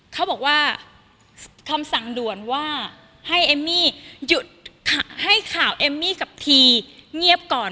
เขาบอกว่าคำสั่งด่วนว่าให้ข่าวเอ็มมี่กับพี่เงียบก่อน